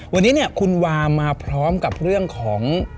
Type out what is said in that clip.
วันนี้เนี่ยคุณวามาพร้อมกับเรื่องของ